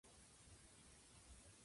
パソコンの調子が悪くなってきた。